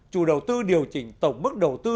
chủ đầu tư điều chỉnh tổng bức đầu tư